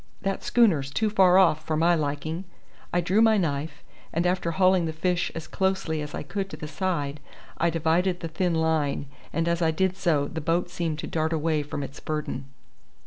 That schooner's too far off for my liking." I drew my knife, and after hauling the fish as closely as I could to the side I divided the thin line, and as I did so the boat seemed to dart away from its burden.